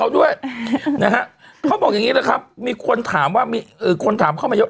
ด้วยนะฮะเขาบอกอย่างนี้แหละครับมีคนถามว่ามีคนถามเข้ามาเยอะ